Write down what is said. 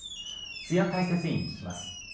津屋解説委員に聞きます。